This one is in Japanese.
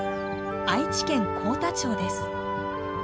愛知県幸田町です。